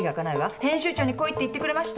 編集長に来いって言ってくれました？